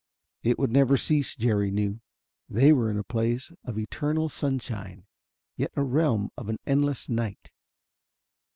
It would never cease, Jerry knew. They were in a place of eternal sunshine, yet a realm of an endless night.